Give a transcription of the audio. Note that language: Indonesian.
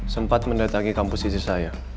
sempat mendatangi kampus istri saya